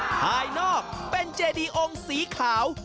ภายนอกเป็นเจดีองค์สีขาว